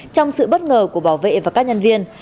trong sự bất ngờ của bảo vệ và các nhân viên